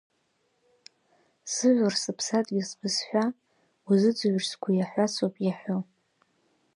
Сыжәлар, Сыԥсадгьыл, Сбызшәа, уазыӡыҩр сгәы иаҳәац ауп иаҳәо.